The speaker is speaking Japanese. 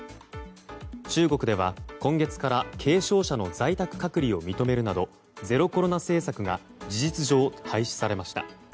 中国では、今月から軽症者の在宅隔離を認めるなどゼロコロナ政策が事実上廃止されました。